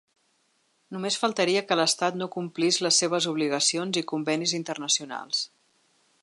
Només faltaria que l’estat no complís les seves obligacions i convenis internacionals.